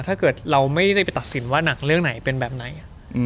ถ้าเกิดเราไม่ได้ไปตัดสินว่าหนักเรื่องไหนเป็นแบบไหน